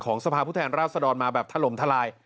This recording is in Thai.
ของสภาพุทธแห่งราชสะดอนมาแบบถล่มทลาย